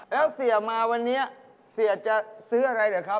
แล้วเสียมาวันนี้เสียจะซื้ออะไรเหรอครับ